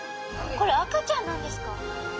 これ赤ちゃんなんですか？